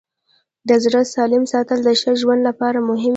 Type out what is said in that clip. د زړه سالم ساتل د ښه ژوند لپاره مهم دي.